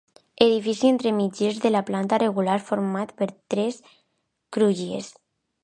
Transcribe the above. Edifici entre mitgeres de planta rectangular, format per tres crugies.